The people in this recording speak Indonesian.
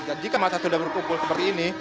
dan jika masa sudah berkumpul seperti ini